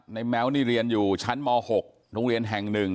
แม้วนี่เรียนอยู่ชั้นม๖โรงเรียนแห่ง๑